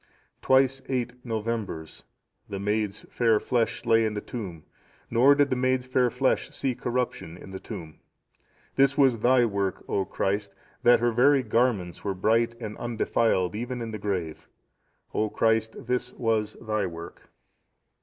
"Twice eight Novembers(672) the maid's fair flesh lay in the tomb, nor did the maid's fair flesh see corruption in the tomb. "This was Thy work, O Christ, that her very garments were bright and undefiled even in the grave; O Christ, this was Thy work.